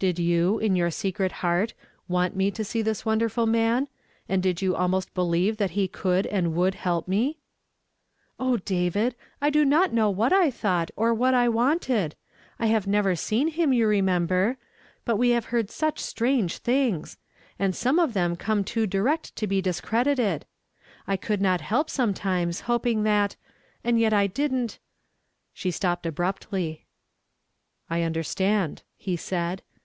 Did you, in your secret heart, want me to see this wonderful man, and did you almost believe that he could and Avould help me ?"" O David ! I do not know what I thought, or what I wanted. I have never seen him, you re member ; but we have heard such strange things ! and some of them came too direct to be discredited. I could not help, sometimes, hoping that — and yet I didn't "— she stopped abruptly. " I understand," he said.